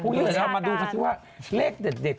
พรุ่งนี้เรามาดูว่าเลขเด็ด